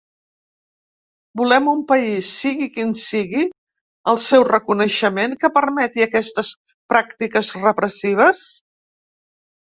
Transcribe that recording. Volem un país, sigui quin sigui el seu reconeixement, que permeti aquestes pràctiques repressives?